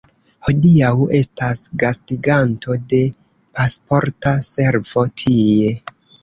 Hodiaŭ estas gastiganto de Pasporta Servo tie.